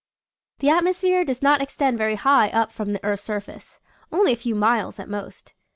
The atmosphere does not extend very high up from the earth's surface. Only a few miles at most.